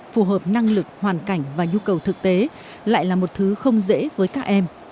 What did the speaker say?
phù hợp năng lực hoàn cảnh và nhu cầu thực tế lại là một thứ không dễ với các em